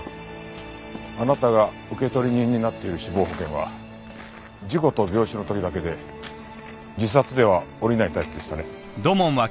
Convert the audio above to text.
あなたが受取人になっている死亡保険は事故と病死の時だけで自殺ではおりないタイプでしたね。